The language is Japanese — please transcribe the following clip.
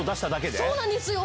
そうなんですよ。